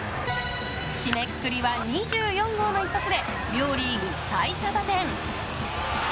締めくくりは２４号の一発で両リーグ最多打点。